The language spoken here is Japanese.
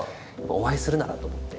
お会いするならと思って。